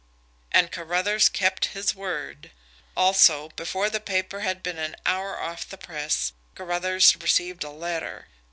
And Carruthers kept his word. Also, before the paper had been an hour off the press, Carruthers received a letter.